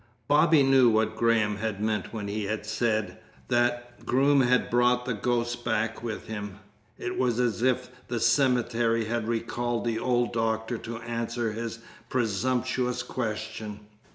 Bobby knew what Graham had meant when he had said that Groom had brought the ghosts back with him. It was as if the cemetery had recalled the old doctor to answer his presumptuous question.